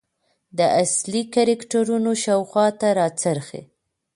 د اصلي کرکترونو شاخواته راڅرخي .